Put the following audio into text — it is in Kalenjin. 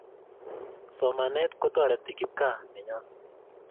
Somanet kotareti kikpkaa nenyoo